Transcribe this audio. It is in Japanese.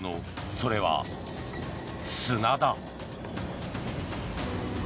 それは、砂だ。